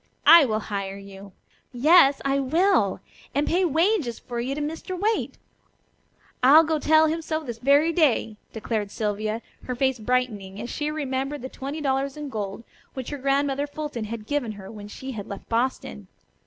I will hire you! Yes, I will; and pay wages for you to Mr. Waite. I'll go tell him so this very day," declared Sylvia, her face brightening, as she remembered the twenty dollars in gold which her Grandmother Fulton had given her when she had left Boston.